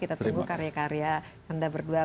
kita tunggu karya karya anda berdua